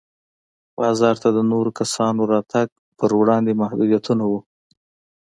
بازار ته د نورو کسانو راتګ پر وړاندې محدودیتونه وو.